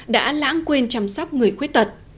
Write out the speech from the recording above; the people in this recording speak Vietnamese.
đã lãng quên chăm sóc người khuyết tật